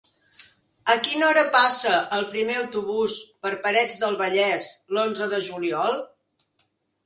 A quina hora passa el primer autobús per Parets del Vallès l'onze de juliol?